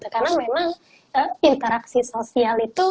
karena memang interaksi sosial itu